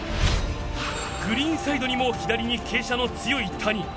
グリーンサイドにも左に傾斜の強い谷。